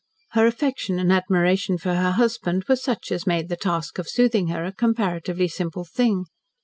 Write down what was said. Her affection and admiration for her husband were such as made the task of soothing her a comparatively simple thing.